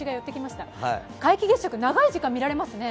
皆既月食、長い時間見られますね。